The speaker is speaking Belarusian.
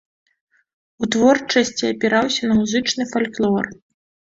У творчасці апіраўся на музычны фальклор.